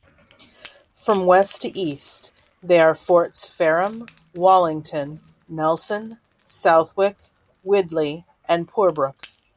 From west to east they are forts Fareham, Wallington, Nelson, Southwick, Widley and Purbrook.